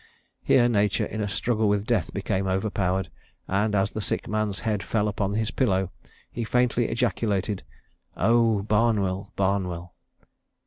Here nature in a struggle with death became overpowered, and as the sick man's head fell upon his pillow, he faintly ejaculated, 'O Barnwell! Barnwell!'